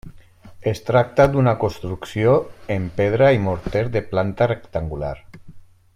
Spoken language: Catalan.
Es tracta d'una construcció en pedra i morter de planta rectangular.